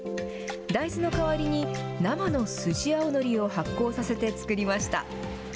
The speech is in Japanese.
大豆の代わりに、生のスジアオノリを発酵させて造りました。